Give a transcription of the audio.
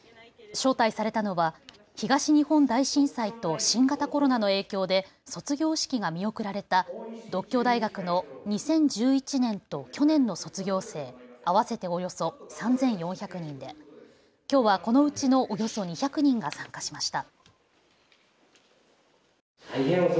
招待されたのは東日本大震災と新型コロナの影響で卒業式が見送られた獨協大学の２０１１年と去年の卒業生合わせておよそ３４００人できょうはこのうちのおよそ２００人が参加しました。